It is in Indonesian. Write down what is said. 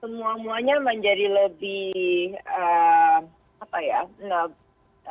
semuanya menjadi lebih apa ya